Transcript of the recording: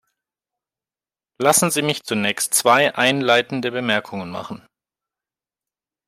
Lassen Sie mich zunächst zwei einleitende Bemerkungen machen.